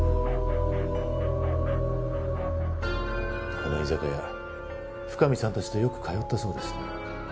この居酒屋深海さんたちとよく通ったそうですね。